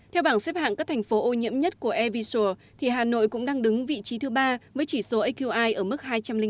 theo bảng xếp hạng các thành phố ô nhiễm nhất của airvisual hà nội cũng đang đứng vị trí thứ ba với chỉ số aqi ở mức hai trăm linh bốn